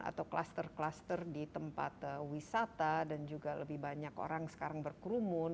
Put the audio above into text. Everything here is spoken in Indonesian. atau kluster kluster di tempat wisata dan juga lebih banyak orang sekarang berkerumun